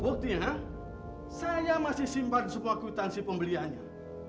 buktinya saya masih simpan semua kwitansi pembeliannya